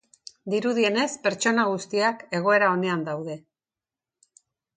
Dirudienez, pertsona guztiak egoera onean daude.